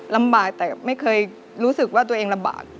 ลำบากแต่ไม่เคยรู้สึกว่าตัวเองลำบาก